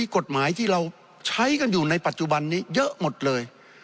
กฎหมายที่เราใช้กันอยู่ในปัจจุบันนี้เยอะหมดเลย